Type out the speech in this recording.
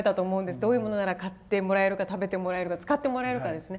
どういうものなら買ってもらえるか食べてもらえるか使ってもらえるかですね。